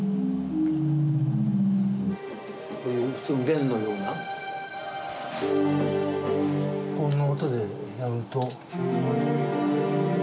こういういくつも弦のようなこんな音でやると。